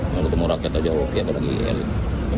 kalau teman rakyat aja oke apalagi elit